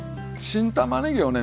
新たまねぎをね